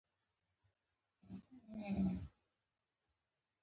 د غوره کار لپاره